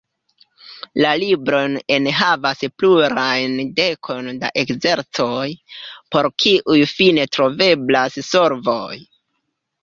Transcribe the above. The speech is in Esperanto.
La librojn enhavas plurajn dekojn da ekzercoj, por kiuj fine troveblas solvoj.